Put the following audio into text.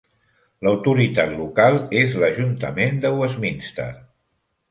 L'autoritat local és l'Ajuntament de Westminster.